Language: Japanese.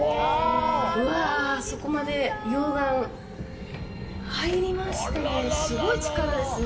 うわあ、あそこまで溶岩入りましたね。